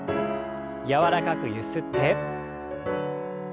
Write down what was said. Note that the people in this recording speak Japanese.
柔らかくゆすって。